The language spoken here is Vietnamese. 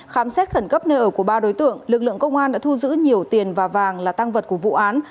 khám xét khẩn cấp nơi ở của ba đối tượng lực lượng công an đã thu giữ nhiều tiền và vàng là tăng vật của vụ án